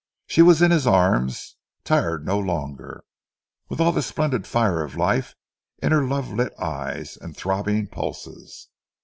She was in his arms, tired no longer, with all the splendid fire of life in her love lit eyes and throbbing pulses.